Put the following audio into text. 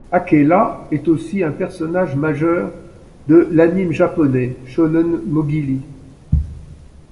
Akela est aussi un personnage majeur de l'anime japonais Shonen Mogili.